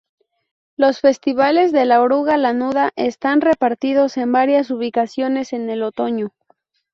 Los festivales de la Oruga Lanuda están repartidos en varias ubicaciones en el otoño.